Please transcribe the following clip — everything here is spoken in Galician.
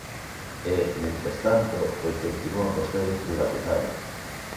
E, mentres tanto, pois continúan vostedes privatizando.